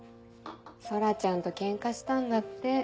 空ちゃんとケンカしたんだって。